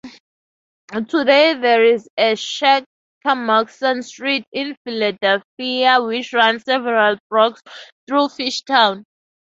Today there is a Shackamaxon Street in Philadelphia which runs several blocks through Fishtown.